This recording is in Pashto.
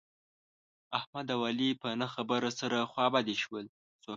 احمد او علي په نه خبره سره خوابدي شول.